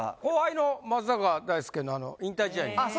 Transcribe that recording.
後輩の松坂大輔の引退試合に。